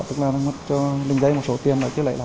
tức là nó mất cho linh dây một số tiền